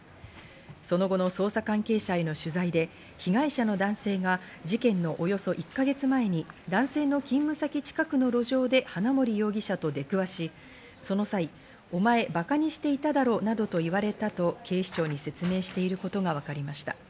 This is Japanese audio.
その後の捜査関係者への取材で被害者の男性が事件のおよそ１か月前に男性の勤務先近くの路上で花森容疑者と出くわしその際、お前、バカにしていただろなどと言われたと説明していることが分かりました。